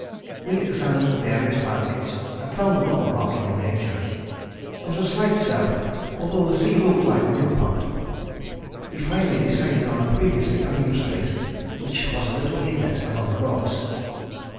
We examined the various landings and found them all rocky and dangerous. There was a slight surf although the sea looked like a mill pond. We finally decided on a previously unused place, which was a little inlet among the rocks.